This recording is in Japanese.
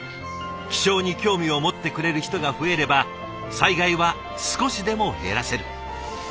気象に興味を持ってくれる人が増えれば災害は少しでも減らせる。